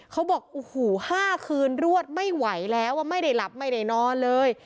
เขาบอกโอ้โห๕คืนรวดไม่ไหวแล้วไม่ได้หลับไม่ได้นอนเลย